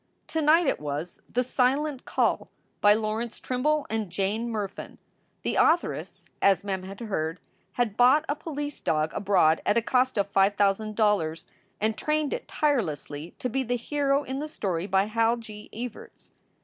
To night it was "The Silent Call," by Laurence Trimble and Jane Murfin. The authoress, as Mem had heard, had bought a police dog abroad at a cost of five thousand dollars and trained it tirelessly to be the hero in the story by Hal G. Evarts.